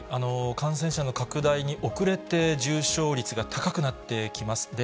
感染者の拡大に遅れて、重症率が高くなってきます。